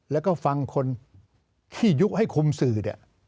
แล้วก็ฟังคนที่ยุคให้คุมสื่อเนี่ย